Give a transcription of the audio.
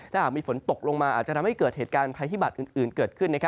ถ้าหากมีฝนตกลงมาอาจจะทำให้เกิดเหตุการณ์ภัยพิบัตรอื่นเกิดขึ้น